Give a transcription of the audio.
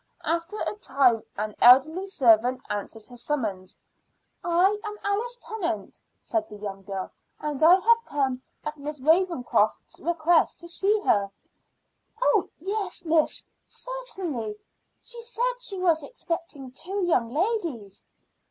After a time an elderly servant answered her summons. "I am Alice Tennant," said the young girl, "and I have come at Miss Ravenscroft's request to see her." "Oh yes, miss, certainly. She said she was expecting two young ladies."